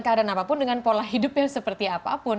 keadaan apapun dengan pola hidupnya seperti apapun